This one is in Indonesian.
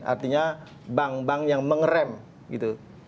artinya bank bank yang mengerem gitu